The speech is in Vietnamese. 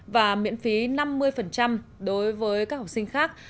và miễn phí năm mươi đối với các học sinh khác